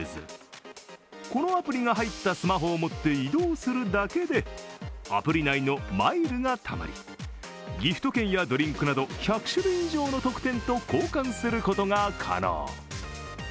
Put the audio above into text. このアプリが入ったスマホを持って移動するだけでアプリ内のマイルがたまり、ギフト券やドリンクなど１００種類以上の特典と交換することが可能。